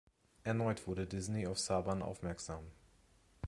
Erneut wurde Disney auf Saban aufmerksam.